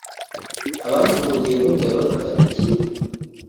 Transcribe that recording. abamuhungiyeho ngo yabafataga kimwe